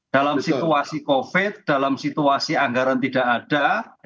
dalam situasi covid dalam situasi anggaran tidak ada